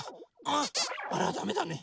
あらダメだね。